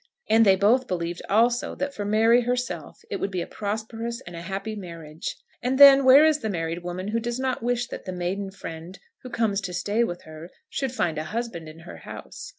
And they both believed also that for Mary herself it would be a prosperous and a happy marriage. And then, where is the married woman who does not wish that the maiden friend who comes to stay with her should find a husband in her house?